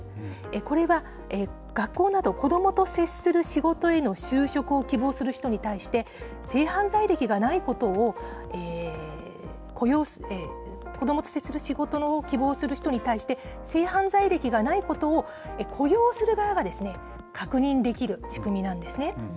これは学校など、子どもと接する仕事への就職を希望する人に対して、性犯罪歴がないことを、子どもと接する仕事を希望する人に対して、性犯罪歴がないことを、雇用する側が確認できる仕組みなんですね。